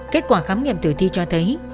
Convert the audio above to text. kết quả khám nghiệm tử thi cho thấy